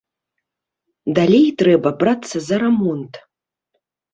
Далей трэба брацца за рамонт.